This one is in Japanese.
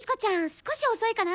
少し遅いかな。